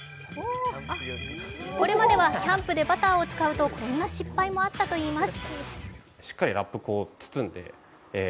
これまではキャンプでバターを使うとこんな失敗もあったといいます。